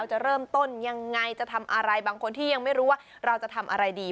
จะเริ่มต้นยังไงจะทำอะไรบางคนที่ยังไม่รู้ว่าเราจะทำอะไรดี